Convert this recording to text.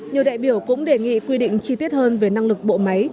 nhiều đại biểu cũng đề nghị quy định chi tiết hơn về năng lực bộ máy